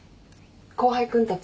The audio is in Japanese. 後輩君たち。